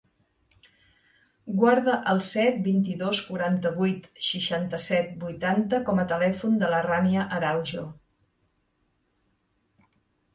Guarda el set, vint-i-dos, quaranta-vuit, seixanta-set, vuitanta com a telèfon de la Rània Araujo.